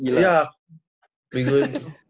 ya berapa hari lalu